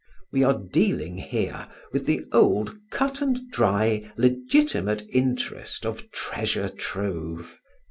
We are dealing here with the old cut and dry legitimate interest of treasure trove.